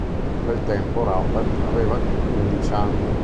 In quel tempo Rupert aveva undici anni.